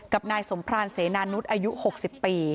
กับนายสมพรานเสนานุษย์อายุ๖๐ปี